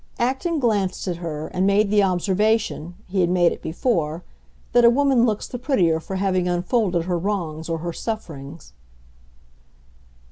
Acton glanced at her, and made the observation—he had made it before—that a woman looks the prettier for having unfolded her wrongs or her sufferings.